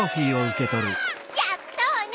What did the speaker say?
やったわね。